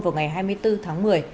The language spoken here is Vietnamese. vào ngày hai mươi bốn tháng một mươi